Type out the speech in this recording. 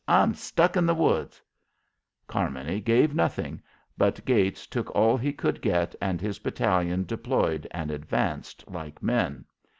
I'm stuck in the woods!" Carmony gave nothing, but Gates took all he could get and his battalion deployed and advanced like men.